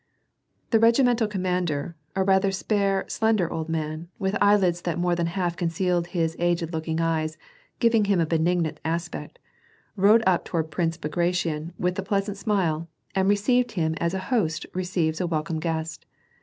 The regimental commander, a rather spare, slender, old man, with eyelids that more than half concealed his aged looking eyes, giving him a benignant aspect, rode up toward Prince Bagration with a pleasant smile, and received him rs a host receives a welcome guest.